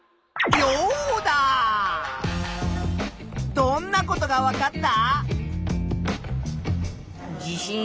どんなことがわかった？